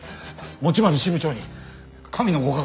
持丸支部長に神のご加護を！